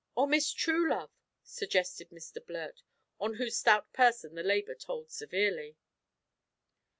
"Or Miss Troolove," suggested Mr Blurt, on whose stout person the labour told severely.